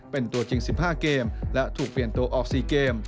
เป็นตัวจริง๑๕เกมและถูกเปลี่ยนตัวออก๔เกม